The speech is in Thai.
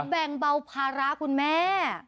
แบ่งเบาภาระคุณแม่